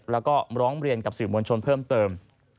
แล้วก็ร้องเรียนกับสื่อมวลชนเพิ่มเติม